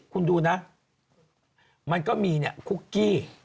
คุณดูนะมันก็มีคุกกี้